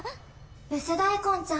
ブス大根ちゃん